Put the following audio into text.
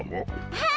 はい。